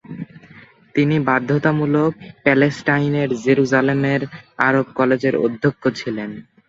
তিনি বাধ্যতামূলক প্যালেস্টাইনের জেরুজালেমের আরব কলেজের অধ্যক্ষ ছিলেন।